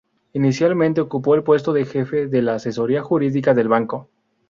Inicialmente, ocupó el puesto de Jefe de la Asesoría Jurídica del banco.